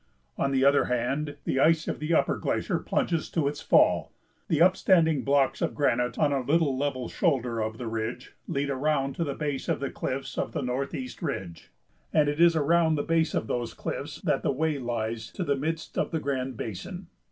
On the other hand, the ice of the upper glacier plunges to its fall. The upstanding blocks of granite on a little level shoulder of the ridge lead around to the base of the cliffs of the Northeast Ridge, and it is around the base of those cliffs that the way lies to the midst of the Grand Basin.